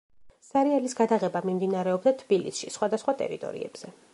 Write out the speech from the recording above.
სერიალის გადაღება მიმდინარეობდა თბილისში, სხვადასხვა ტერიტორიებზე.